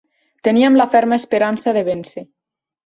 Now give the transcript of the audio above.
Teníem la ferma esperança de vèncer.